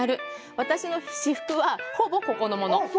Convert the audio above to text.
私の私服は、ほぼここのもの。